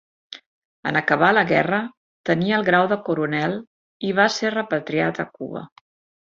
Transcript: En acabar la guerra tenia el grau de coronel i va ser repatriat a Cuba.